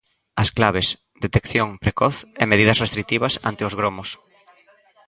As claves: detección precoz e medidas restritivas ante os gromos.